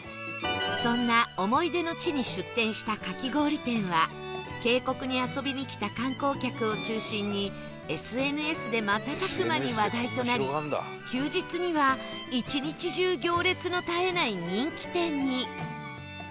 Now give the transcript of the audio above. そんな思い出の地に出店したかき氷店は渓谷に遊びに来た観光客を中心に ＳＮＳ で瞬く間に話題となり休日には１日中行列の絶えない人気店に